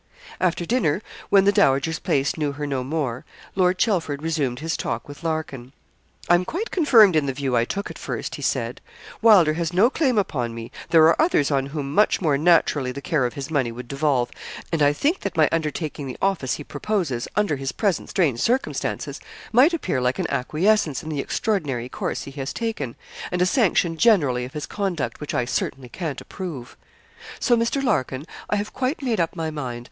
After dinner, when the dowager's place knew her no more, Lord Chelford resumed his talk with Larkin. 'I am quite confirmed in the view I took at first,' he said. 'Wylder has no claim upon me. There are others on whom much more naturally the care of his money would devolve, and I think that my undertaking the office he proposes, under his present strange circumstances, might appear like an acquiescence in the extraordinary course he has taken, and a sanction generally of his conduct, which I certainly can't approve. So, Mr. Larkin, I have quite made up my mind.